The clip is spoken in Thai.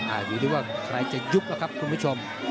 อาจจะดูว่าใครจะยุบนะครับคุณผู้ชม